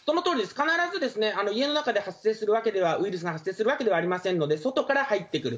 必ず家の中で発生するわけでは、ウイルスが発生するわけではありませんので、外から入ってくる。